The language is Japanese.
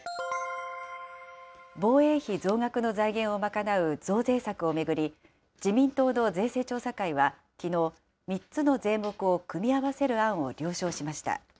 防衛費増額の財源を賄う増税策を巡り、自民党の税制調査会はきのう、３つの税目を組み合わせる案を了承しました。